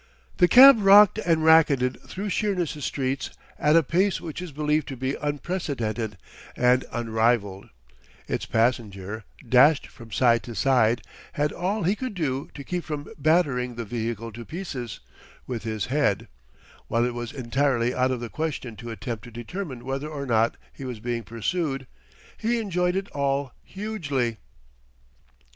The cab rocked and racketed through Sheerness' streets at a pace which is believed to be unprecedented and unrivaled; its passenger, dashed from side to side, had all he could do to keep from battering the vehicle to pieces with his head; while it was entirely out of the question to attempt to determine whether or not he was being pursued. He enjoyed it all hugely.